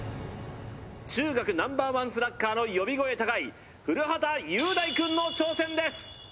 中学Ｎｏ．１スラッガーの呼び声高い古畑雄大くんの挑戦です！